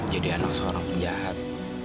jadi anak seorang penjahat